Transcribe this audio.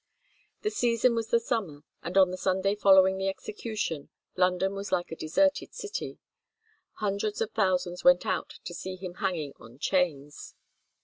The season was the summer, and on the Sunday following the execution, London was like a deserted city; hundreds of thousands went out to see him hanging in chains.